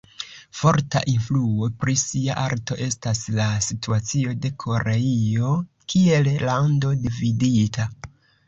Forta influo pri sia arto estas la situacio de Koreio kiel lando dividita.